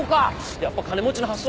やっぱ金持ちの発想は違ぇな。